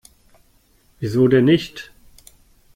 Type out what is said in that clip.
Wieso denn nicht?